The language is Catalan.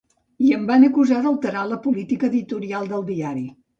I em van acusar d’alterar la política editorial del diari.